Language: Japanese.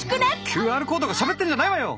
ＱＲコードがしゃべってんじゃないわよ！